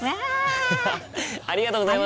アハハありがとうございます！